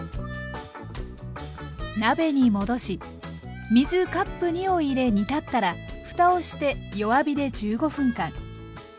鍋に戻し水カップ２を入れ煮立ったらふたをして弱火で１５分間。